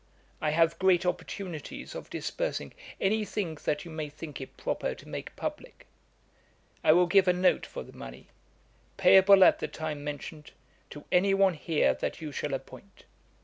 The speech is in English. I have great opportunities of dispersing any thing that you may think it proper to make publick. I will give a note for the money, payable at the time mentioned, to any one here that you shall appoint.